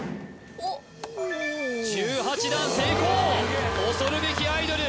１８段成功恐るべきアイドル